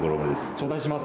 頂戴します。